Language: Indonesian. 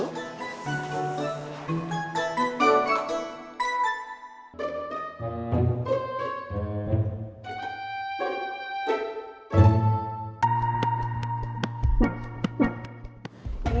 ya udah saya mulai